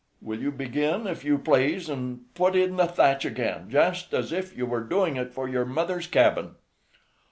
Will you begin, if you please, and put in the thatch again, just as if you were doing it for your mother's cabin?"